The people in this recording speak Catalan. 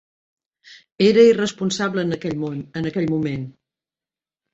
Era irresponsable en aquell món, en aquell moment.